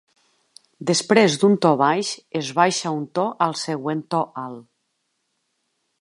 Després d'un to baix, es baixa un to al següent to alt.